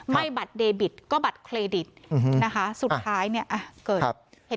ไม่บัตรเดบิตก็บัตรเครดิตสุดท้ายเกิดเหตุการณ์